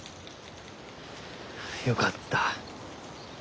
よかった。